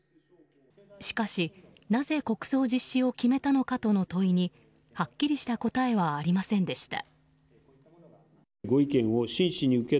しかし、なぜ国葬実施を決めたのかとの問いにはっきりした答えはありませんでした。